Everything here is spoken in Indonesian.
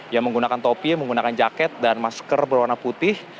yang menggunakan topi menggunakan jaket dan masker berwarna putih